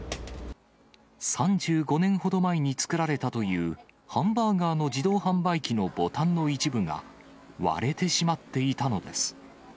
３５年ほど前に作られたという、ハンバーガーの自動販売機のボタンの一部が割れてしまっていたのです。